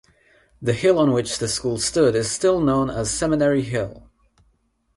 The hill on which the school stood is still known as Seminary Hill.